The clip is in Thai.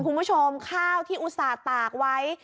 คุณผู้ชมข้าวที่อุตส่าห์ตากไว้